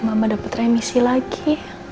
mama dapat remisi lagi